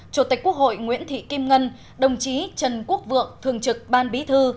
chủ tịch quốc hội nguyễn thị kim ngân đồng chí trần quốc vượng thường trực ban bí thư